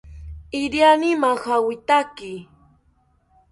Iriani majawitaki